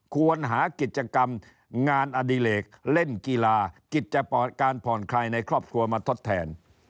ควรหากิจกรรมงานอดิเลกเล่นกีฬากิจการผ่อนคลายในครอบครัวมาทดแทน